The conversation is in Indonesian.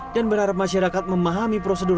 dan berharap masyarakat memahami prosedur